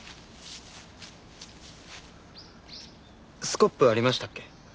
スコップありましたっけ？